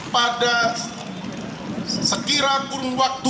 pada sekiranya kurang waktu